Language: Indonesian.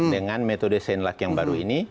dengan metode senluck yang baru ini